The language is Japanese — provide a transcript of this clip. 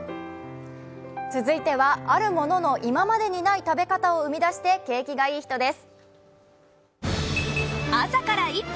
続いてはあるものの今までにない食べ方を編み出して景気がイイ人です。